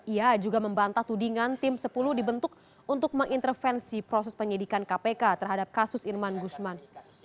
ia juga membantah tudingan tim sepuluh dibentuk untuk mengintervensi proses penyidikan kpk terhadap kasus irman gusman